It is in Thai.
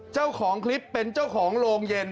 เจ้าของคลิปเป็นเจ้าของโรงเย็น